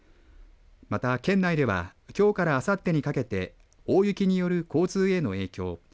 また、県内ではきょうからあさってにかけて大雪による交通への影響